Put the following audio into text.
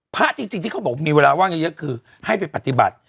พระจริงที่เขาบอกมีเวลาว่างเยอะคือให้ไปปฏิบัติ